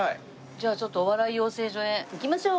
じゃあちょっとお笑い養成所へ行きましょう。